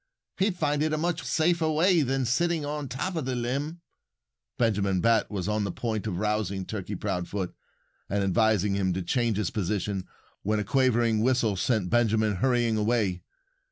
He'd find it a much safer way than sitting on top of the limb." Benjamin Bat was on the point of rousing Turkey Proudfoot and advising him to change his position when a quavering whistle sent Benjamin hurrying away.